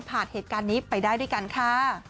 เหตุการณ์นี้ไปได้ด้วยกันค่ะ